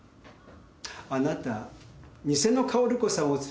あなた偽の薫子さんを連れてきた。